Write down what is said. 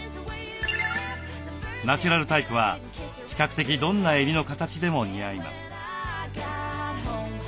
ナチュラルタイプは比較的どんな襟の形でも似合います。